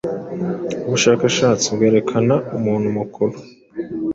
Ubushakashatsi bwerekana umuntu mukuru